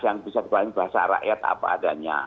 yang bisa dibayang bahasa rakyat apa adanya